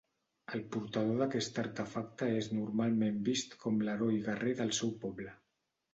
El portador d'aquest artefacte és normalment vist com l'heroi guerrer del seu poble.